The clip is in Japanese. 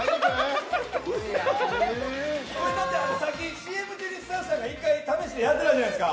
ＣＭ中にスタッフさんが１回試しにやってたじゃないですか。